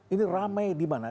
ini ramai di mana